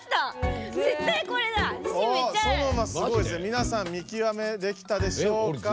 みなさん見きわめできたでしょうか？